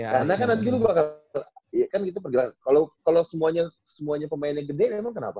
karena kan nanti lu bakal kan gitu pergelangan kalo semuanya pemain yang gede emang kenapa